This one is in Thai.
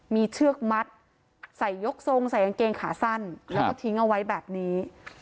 มีเชือกมัดใส่ยกทรงใส่กางเกงขาสั้นแล้วก็ทิ้งเอาไว้แบบนี้